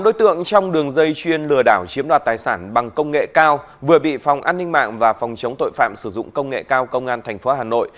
ba đối tượng trong đường dây chuyên lừa đảo chiếm đoạt tài sản bằng công nghệ cao vừa bị phòng an ninh mạng và phòng chống tội phạm sử dụng công nghệ cao công an tp hà nội